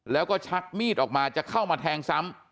แล้วก็ชักมีดออกมาจะเข้ามาแทงซ้ำ